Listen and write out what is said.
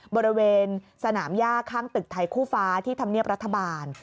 บริเวณสนามย่าข้างตึกไทยคู่ฟ้าที่ธรรมเนียบรัฐบาล